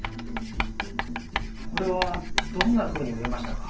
これはどんなふうに植えましたか？